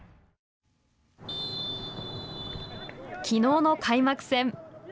きのうの開幕戦。